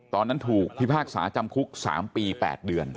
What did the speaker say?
ตอนนั้นถูกพิพากษาจำคุก๓ปี๘เดือน